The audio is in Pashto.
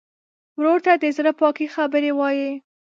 ورور ته د زړه پاکې خبرې وایې.